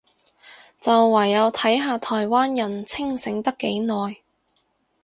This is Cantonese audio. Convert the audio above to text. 就唯有睇下台灣人清醒得幾耐